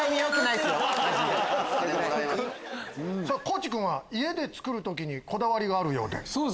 地君は家で作る時にこだわりがあるようで。